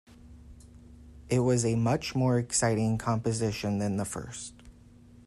It was a much more exciting composition than the first.